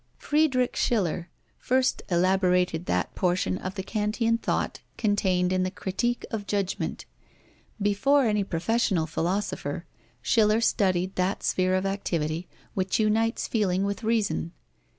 Friedrich Schiller first elaborated that portion of the Kantian thought contained in the Critique of Judgment. Before any professional philosopher, Schiller studied that sphere of activity which unites feeling with reason.